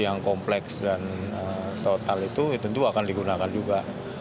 yang kompleks dan total itu tentu akan digunakan juga